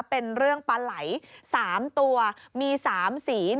เป็นเรื่องปลาไหล๓ตัวมี๓สี